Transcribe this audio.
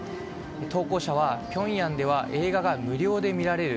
投稿者はピョンヤンでは映画が無料で見られる。